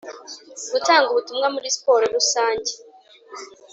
gutanga ubutumwa muri siporo rusange;